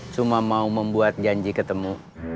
cuma mau membuat janji ketemu